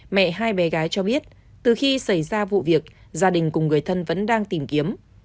mẹ hai bé gái cho biết từ khi xảy ra vụ việc gia đình cùng người thân vẫn đang tìm kiếm